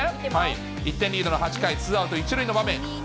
１点リードの８回、ツーアウト１塁の場面。